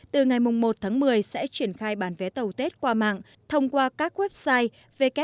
từ ngày một tháng một mươi sẽ triển khai bán vé tàu tết qua mạng thông qua các website www dsvn vn